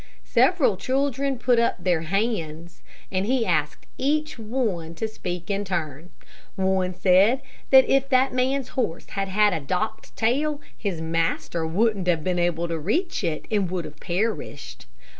Several children put up their hands, and he asked each one to speak in turn. One said that if that man's horse had had a docked tail, his master wouldn't have been able to reach it, and would have perished.